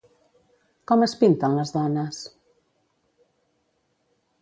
Com es pinten les dones?